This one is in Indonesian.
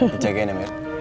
ngejagain ya mir